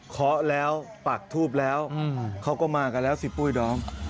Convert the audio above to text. เพราะแล้วปักทูบแล้วเค้าก็มาแล้วสิปุ้ยดอม